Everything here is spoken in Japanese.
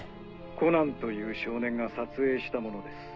コナンという少年が撮影したものです。